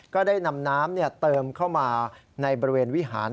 ก็ได้นำน้ำเติมเข้ามาในบริเวณวิหาร